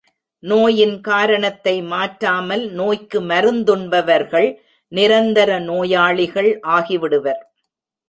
நோயின் காரணத்தை மாற்றாமல் நோய்க்கு மருந்துண்பவர்கள், நிரந்தர நோயாளிகள் ஆகிவிடுவர்.